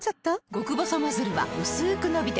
極細ノズルはうすく伸びて